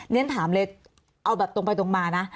เรียนถามเลยเอาแบบตรงไปตรงมานะ